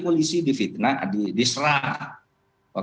polisi difitnah diserah